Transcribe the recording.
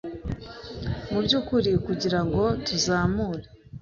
mubyukuri kugira ngo tuzamure,